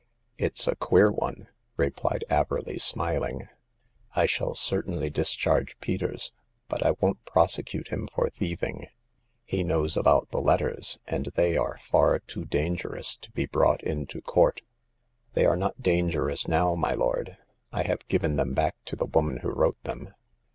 " It's a queer one," replied Averley, smiling. '* I shall certainly discharge Peters, but I won't prosecute him for thieving. He knows about the letters, and they are far too dangerous to be brought into court." They are not dangerous now, my lord. I have given them back to the woman who wrote them."